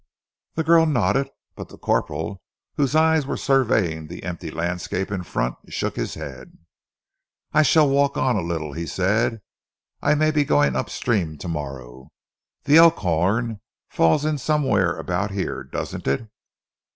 The girl nodded, but the corporal, whose eyes were surveying the empty landscape in front, shook his head. "I shall walk on a little," he said, "I may be going up stream tomorrow. The Elkhorn falls in somewhere about here, doesn't it?"